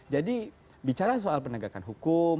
jadi bicara soal penegakan hukum